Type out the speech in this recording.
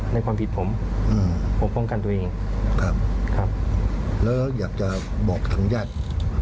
ในความผิดผมปกป้องกันตัวเองครับครับแล้วอยากจะบอกทางญาติ